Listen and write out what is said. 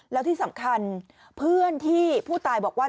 แล้วที่สำคัญเพื่อนที่ผู้ตายบอกว่า